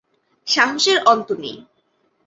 সাহসের অন্ত নেই।